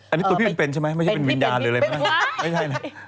อันนี้ตัวพี่มันเป็นใช่ไหมไม่ใช่เป็นวิญญาณหรืออะไร